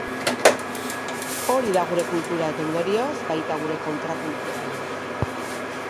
Hori da gure kultura, eta, ondorioz, baita gure kontrakultura ere.